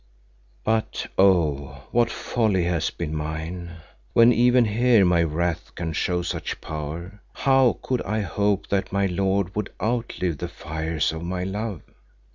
"But oh, what folly has been mine. When even here my wrath can show such power, how could I hope that my lord would outlive the fires of my love?